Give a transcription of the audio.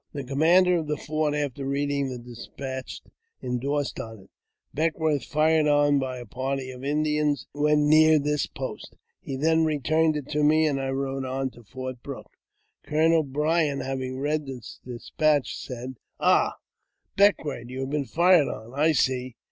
The commander of the fort, after reading the despatch, endorsed on it, " Beckwourth fired on by a party of Indians when near this post." He then returned it to me, and I rode on to Fort Brooke. Colonel Bryant, having read the despatch, said, " Ah, Beck wourth, you have been fired on, I see